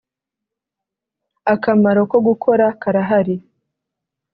akamaro ko gukora karahari